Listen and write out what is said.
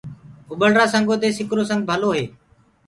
اُڀݪرآ سنگو دي سِڪرو سبگ ڀلو هي۔